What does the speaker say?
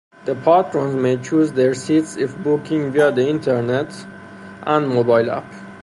The patrons may choose their seats if booking via the Internet and mobile app.